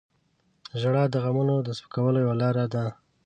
• ژړا د غمونو د سپکولو یوه لاره ده.